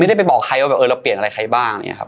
ได้ไปบอกใครว่าแบบเออเราเปลี่ยนอะไรใครบ้างอะไรอย่างนี้ครับ